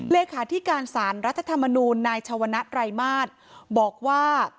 เลขาธิการสารรัฐธรรมนูลนายชวนนะไตรมาสบอกว่า